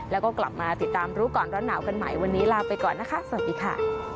แล้วก็กลับมาติดตามรู้ก่อนร้อนหนาวกันใหม่วันนี้ลาไปก่อนนะคะสวัสดีค่ะ